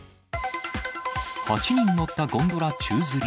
８人乗ったゴンドラ宙づり。